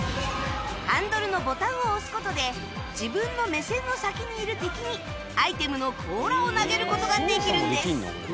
ハンドルのボタンを押す事で自分の目線の先にいる敵にアイテムのこうらを投げる事ができるんです